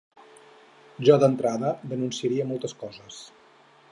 Jo d’entrada denunciaria moltes coses.